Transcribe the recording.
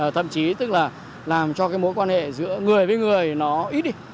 thậm chí tức là làm cho cái mối quan hệ giữa người với người nó ít đi